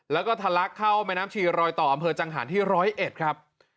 แล้วก็ทะลักเข้าแม่น้ำชีรอยต่ออำเภอจังหารที่๑๐๑ครับ